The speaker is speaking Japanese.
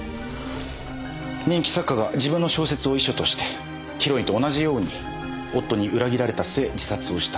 人気作家が自分の小説を遺書としてヒロインと同じように夫に裏切られた末自殺をした。